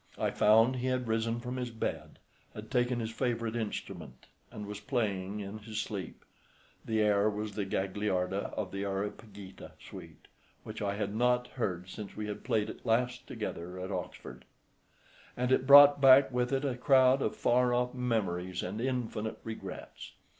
I found he had risen from his bed, had taken his favourite instrument, and was playing in his sleep. The air was the Gagliarda of the "Areopagita" suite, which I had not heard since we had played it last together at Oxford, and it brought back with it a crowd of far off memories and infinite regrets.